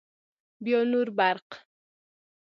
بیا نور برق